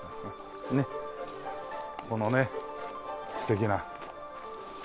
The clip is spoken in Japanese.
このね素敵な。